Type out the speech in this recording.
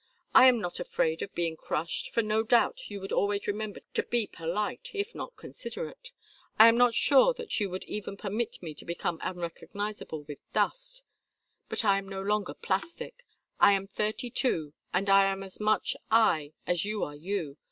I am not afraid of being crushed, for no doubt you would always remember to be polite, if not considerate. I am not sure that you would even permit me to become unrecognizable with dust. But I am no longer plastic. I am thirty two, and I am as much I as you are you.